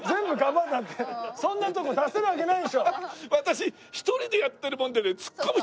そんなとこ出せるわけないでしょ。